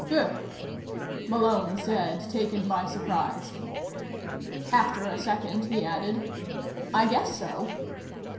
"Gur," Malone said, taken by surprise. After a second he added: "I guess so."